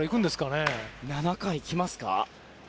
７回いきますか。